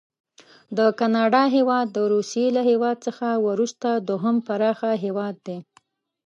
د کاناډا هیواد د روسي له هیواد څخه وروسته دوهم پراخ هیواد دی.